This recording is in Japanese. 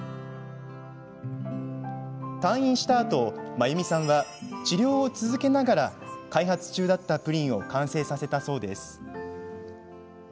退院したあと、真由美さんは治療を続けながら開発中だったプリンを完成させたそうです。